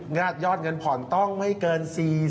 ยอดเงินผ่อนต้องไม่เกิน๔๐